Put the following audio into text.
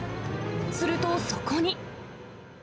するとそこに。